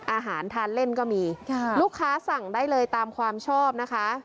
อาหารทานเล่นก็มีลูกค้าสั่งได้เลยตามความชอบนะคะ